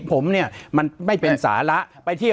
ปากกับภาคภูมิ